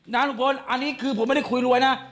ลุงพลอันนี้คือผมไม่ได้คุยรวยนะ